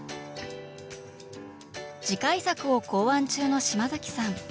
次回作を考案中の嶋さん。